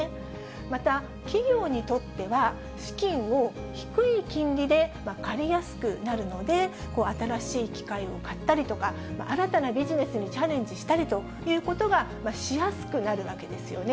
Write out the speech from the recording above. また、企業にとっては、資金を低い金利で借りやすくなるので、新しい機械を買ったりとか、新たなビジネスにチャレンジしたりということがしやすくなるわけですよね。